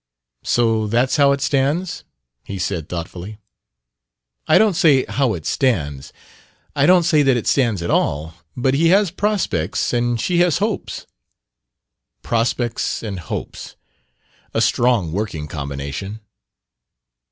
"So that's how it stands?" he said thoughtfully. "I don't say 'how' it stands. I don't say that it 'stands' at all. But he has prospects and she has hopes." "Prospects and hopes, a strong working combination."